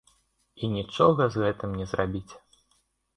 І нічога з гэтым не зрабіць.